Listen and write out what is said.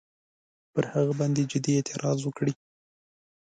پر هغه باندي جدي اعتراض وکړي.